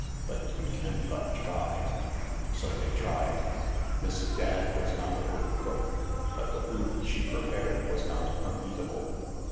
But you can but try." So they tried. Mrs. Dadd was not a good cook, but the food she prepared was not uneatable.